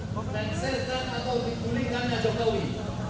dan serkan atau dipulihkan oleh jokowi